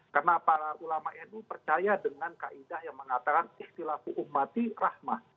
karena para ulama nu percaya dengan kaedah yang mengatakan istilahku umati rahmat